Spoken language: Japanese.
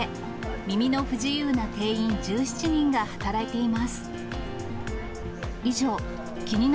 耳の不自由な店員１７人が働いています。